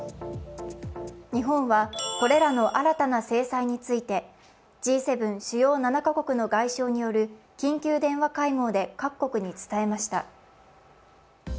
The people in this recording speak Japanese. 日本はこれらの新たな制裁について、Ｇ７＝主要７カ国の外相による緊急電話会合で各国に伝えました。